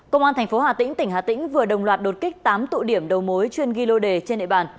công an tp hà tĩnh tỉnh hà tĩnh vừa đồng loạt đột kích tám tụ điểm đầu mối chuyên ghi lô đề trên địa bàn